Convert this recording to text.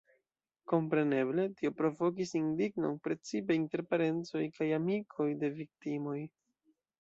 Kompreneble, tio provokis indignon precipe inter parencoj kaj amikoj de viktimoj.